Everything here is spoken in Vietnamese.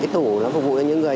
cái tủ nó phục vụ cho những người